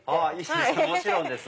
もちろんです。